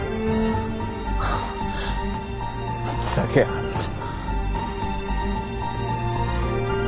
ふざけやがって。